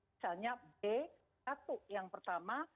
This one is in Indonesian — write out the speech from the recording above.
misalnya b satu yang pertama